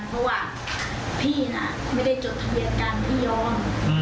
เพราะว่าพี่น่ะไม่ได้จดทะเบียนกันพี่ยอม